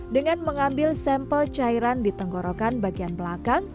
dengan mengambil sampel cairan di tenggorokan bagian belakang